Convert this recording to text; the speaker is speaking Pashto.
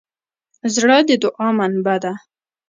زړه د دوعا منبع ده.